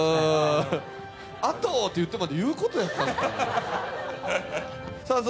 あとって言ってまで言うことやったんかな？